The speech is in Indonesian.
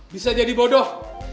bisa jadi bodoh